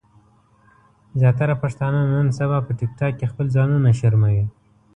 زياتره پښتانۀ نن سبا په ټک ټاک کې خپل ځانونه شرموي